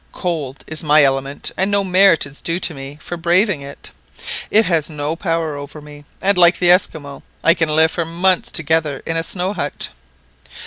Cold is my element, and no merit is due to me for braving it. It has no power over me; and, like the Esquimaux. I can live for months together in a snow hut."